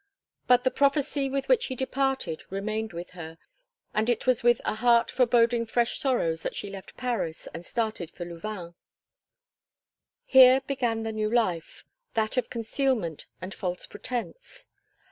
But the prophecy with which he departed remained with her, and it was with a heart foreboding fresh sorrows that she left Paris and started for Louvain. Here began the new life that of concealment and false pretence.